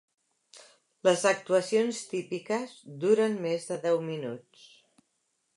Les actuacions típiques duren més de deu minuts.